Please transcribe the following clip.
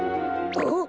あっ？